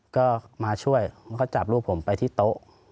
ก็มาช่วยมันก็จับลูกผมไปที่โต๊ะ